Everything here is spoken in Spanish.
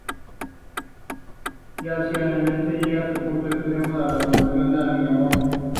Y hacia el este, llega en su punto extremo al poblado de Los Algodones.